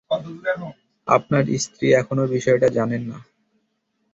আপনার স্ত্রী এখনও বিষয়টা জানেন না।